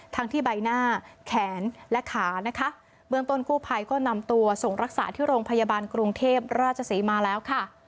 ที่ใบหน้าแขนและขานะคะเบื้องต้นกู้ภัยก็นำตัวส่งรักษาที่โรงพยาบาลกรุงเทพราชศรีมาแล้วค่ะ